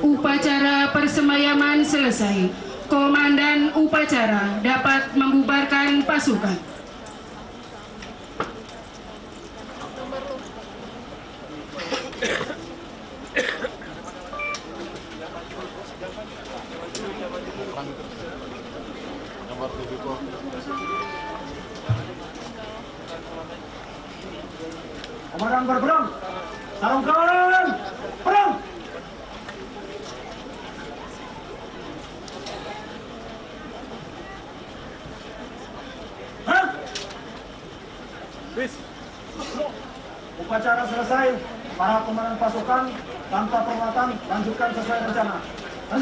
upacara selesai para pemanah pasukan bantah perawatan lanjutkan sesuai perjalanan